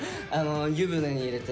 湯船に入れて。